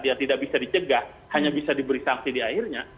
dia tidak bisa dicegah hanya bisa diberi sanksi di akhirnya